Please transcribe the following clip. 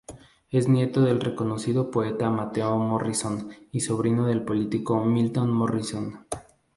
Es nieto del reconocido poeta Mateo Morrison y sobrino del político Milton Morrison.